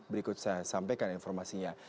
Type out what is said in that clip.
berikut saya sampaikan informasinya